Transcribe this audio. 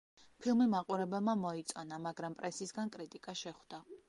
ფილმი მაყურებელმა მოიწონა, მაგრამ პრესისგან კრიტიკა შეხვდა.